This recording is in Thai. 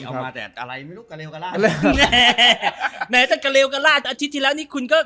เราเพื่อนกัน